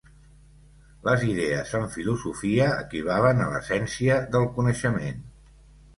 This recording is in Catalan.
Les idees en filosofia equivalen a l'essència del coneixement.